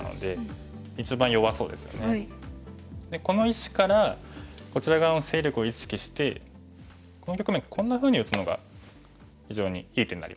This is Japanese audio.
この石からこちら側の勢力を意識してこの局面こんなふうに打つのが非常にいい手になりますね。